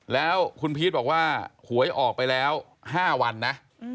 แล้วคุณพีชบอกว่าหวยออกไปแล้ว๕วันนะ